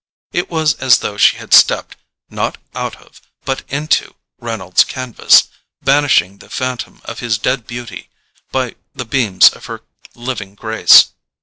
It was as though she had stepped, not out of, but into, Reynolds's canvas, banishing the phantom of his dead beauty by the beams of her living grace.